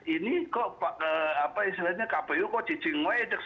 ini kok kpu kok cacing wajah